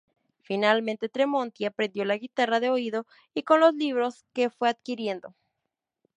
Finalmente, Tremonti, aprendió la guitarra de oído y con los libros que fue adquiriendo.